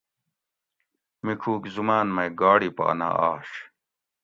میچوگ زماۤن مئ گاڑی پا نہ آش